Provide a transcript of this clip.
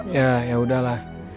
ya ya udahlah